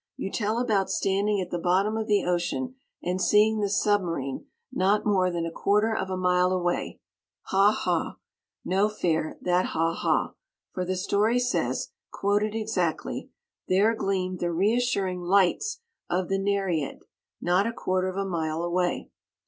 You tell about standing at the bottom of the ocean and seeing the submarine "not more than a quarter of a mile away." Ha ha! [No fair, that ha ha! For the story says, quoted exactly: "... there gleamed the reassuring LIGHTS of the Nereid, not a quarter of a mile away."